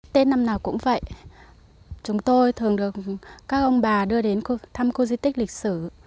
tết năm nào cũng vậy chúng tôi thường được các ông bà đưa đến thăm khu di tích lịch sử